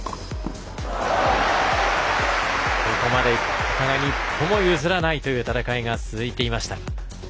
ここまでお互いに一歩も譲らない戦いが続いていました。